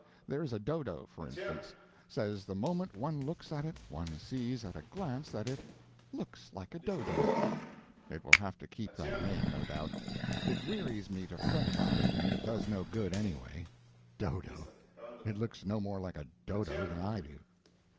There is a dodo, for instance. Says the moment one looks at it one sees at a glance that it "looks like a dodo." It will have to keep that name, no doubt. It wearies me to fret about it, and it does no good, anyway. Dodo! It looks no more like a dodo than I do.